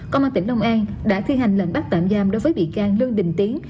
công an tỉnh đồng nai đã thi hành lệnh bắt tạm giam đối với bị can lương đình tiến